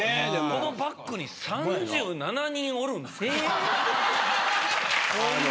このバックに３７人おるん。